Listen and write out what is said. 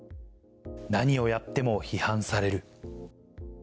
何をやっても批判される。